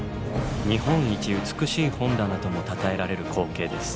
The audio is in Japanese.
日本一美しい本棚ともたたえられる光景です。